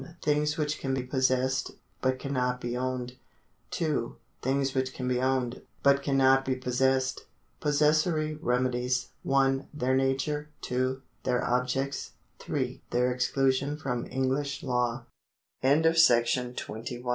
Things which can be possessed, but cannot be owned. 2. Things which can be owned, but cannot be possessed. Possessory remedies. 1. Their nature. 2. Their objects, 3. Their exclusion from English law.